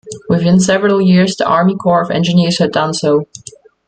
Within several years, the Army Corps of Engineers had done so.